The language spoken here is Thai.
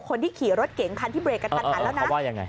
คนที่ขี่รถเก๋งคันที่เบรกกันทันหันแล้วนะ